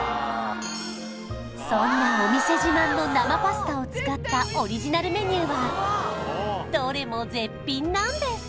そんなお店自慢の生パスタを使ったオリジナルメニューはどれも絶品なんです